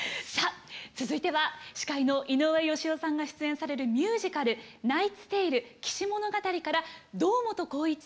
続いては司会の井上芳雄さんが出演されるミュージカル「ナイツ・テイル−騎士物語−」から堂本光一さん。